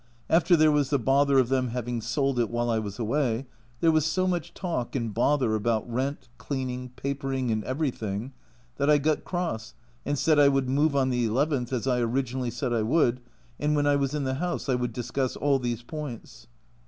After there was the bother of them having sold it while I was away, there was so much talk and bother about rent, cleaning, papering, and everything, that I got cross and said I would move on the nth, as I originally said I would, and when I was in the house I would discuss all these points